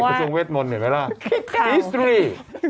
กระทรวงเวทมนต์เห็นไหมล่ะอิสตรี